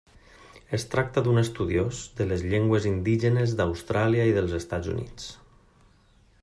Es tracta d'un estudiós de les llengües indígenes d'Austràlia i dels Estats Units.